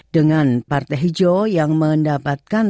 dengan partai hijau yang mendapatkan